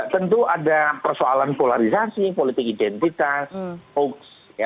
tentu ada persoalan polarisasi politik identitas hoax